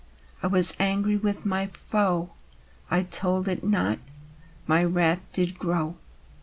I was angry with my foe: I told it not, my wrath did grow.